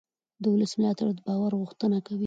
د ولس ملاتړ د باور غوښتنه کوي